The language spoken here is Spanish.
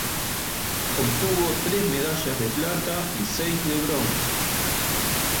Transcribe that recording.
Obtuvo tres medallas de plata y seis de bronce.